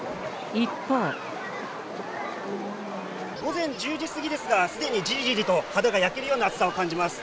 午前１０時過ぎですが、すでにじりじりと肌が焼けるような暑さを感じます。